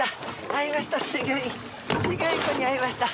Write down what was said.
会いました。